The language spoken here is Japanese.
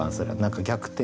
逆転